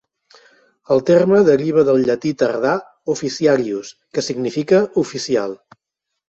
El terme deriva del llatí tardà "officiarius", que significa "oficial".